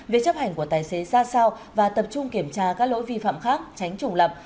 về chấp hành của tài xế xa sau và tập trung kiểm tra các lỗi vi phạm khác tránh trùng lập